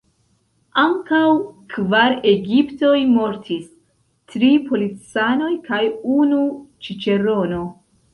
Ankaŭ kvar egiptoj mortis: tri policanoj kaj unu ĉiĉerono.